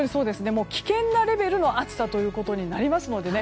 危険なレベルの暑さということになりますのでね。